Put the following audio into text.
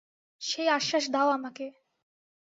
সেই আশ্বাস দাও আমাকে।